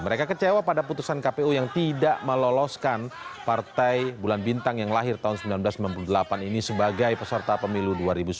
mereka kecewa pada putusan kpu yang tidak meloloskan partai bulan bintang yang lahir tahun seribu sembilan ratus sembilan puluh delapan ini sebagai peserta pemilu dua ribu sembilan belas